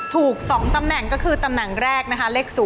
ถูก๒ตำแหน่งก็คือตำแหน่งแรกนะคะเลข๐